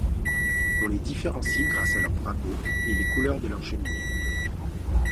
On les différencie grâce à leurs drapeaux et les couleurs de leurs cheminées.